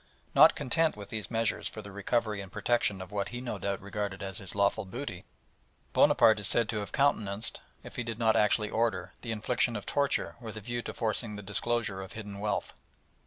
Not content with these measures for the recovery and protection of what he no doubt regarded as his lawful booty, Bonaparte is said to have countenanced, if he did not actually order, the infliction of torture with a view to forcing the disclosure of hidden wealth.